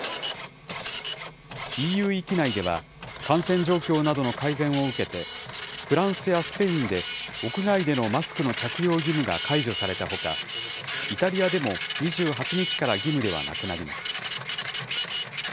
ＥＵ域内では、感染状況などの改善を受けて、フランスやスペインで屋外でのマスクの着用義務が解除されたほか、イタリアでも２８日から義務ではなくなります。